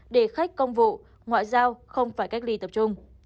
để khách công vụ ngoại giao không phải cách ly tập trung